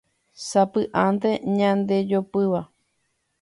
sapy'ánte ñandejopýva